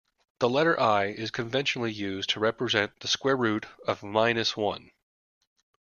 The letter i is conventionally used to represent the square root of minus one.